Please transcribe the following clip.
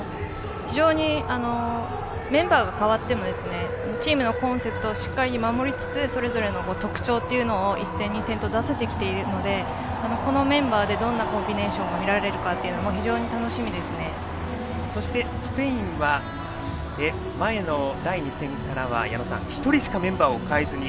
メンバーが代わってもチームのコンセプトをしっかり守りつつそれぞれの特徴を１戦、２戦と出せているのでこのメンバーでどんなコンビネーションが見られるのかというのもそして、矢野さんスペインは前の第２戦からは１人しかメンバーを代えずに